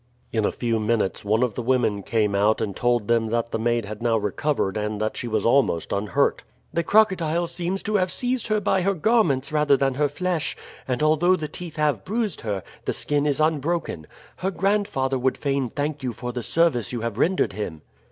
In a few minutes one of the women came out and told them that the maid had now recovered and that she was almost unhurt. "The crocodile seems to have seized her by her garments rather than her flesh, and although the teeth have bruised her, the skin is unbroken. Her grandfather would fain thank you for the service you have rendered him."